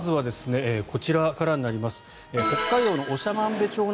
まずはこちらからになります。